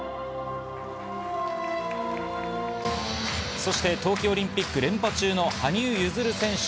そして冬季オリンピック連覇中の羽生結弦選手。